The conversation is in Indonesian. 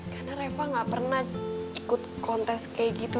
karena reva gak pernah ikut kontes kayak gitu